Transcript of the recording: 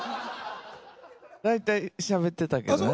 大体しゃべってたけどね。